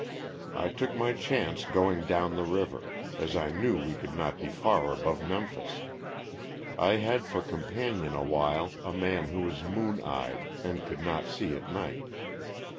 I took my chance going down the river, as I knew we could not be far above Memphis. I had for com panion awhile a man who was moon eyed and could not see at night.